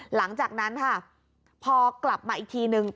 หลังจากนั้นค่ะพอกลับมาอีกทีนึง